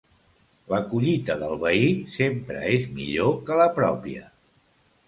La collita del veí sempre és millor que la pròpia.